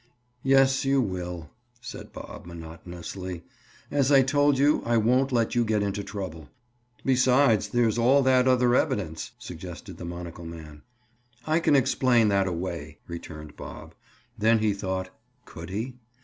"Yes, you will," said Bob monotonously. "As I told you, I won't let you get into trouble." "Besides there's all that other evidence," suggested the monocle man. "I can explain that away," returned Bob. Then he thought: Could he?